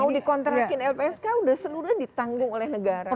mau dikontrakin lpsk udah seluruhnya ditanggung oleh negara